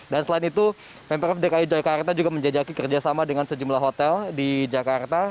dan selain itu pemprov dki jakarta juga menjajaki kerjasama dengan sejumlah hotel di jakarta